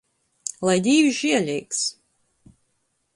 Lai Dīvs žieleigs!